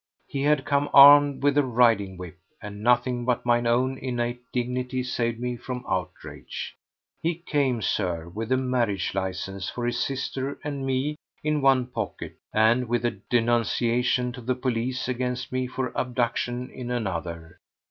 He had come armed with a riding whip, and nothing but mine own innate dignity saved me from outrage. He came, Sir, with a marriage licence for his sister and me in one pocket and with a denunciation to the police against me for abduction in another.